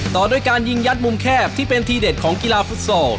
ต่อด้วยการยิงยัดมุมแคบที่เป็นทีเด็ดของกีฬาฟุตซอล